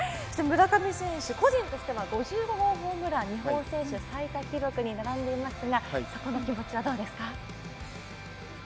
村上選手個人としては５５号ホームラン日本選手最多記録に並んでいますがこの気持ちはいかがですか？